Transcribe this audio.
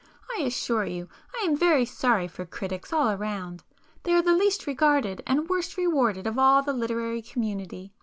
I assure you I am very sorry for critics all round,—they are the least regarded and worst rewarded of all the literary community.